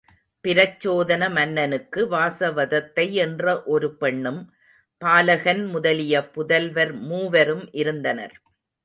பிரச்சோதன மன்னனுக்கு வாசவதத்தை என்ற ஒரு பெண்ணும், பாலகன் முதலிய புதல்வர் மூவரும் இருந்தனர்.